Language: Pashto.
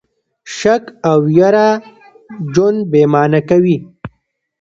شک او ویره ژوند بې مانا کوي.